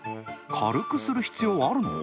軽くする必要あるの？